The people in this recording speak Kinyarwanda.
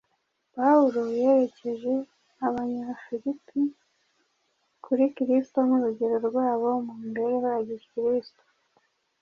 Pawulo yerekeje Abanyafilipi kuri Kristo nk’urugero rwabo mu mibereho ya Gikristo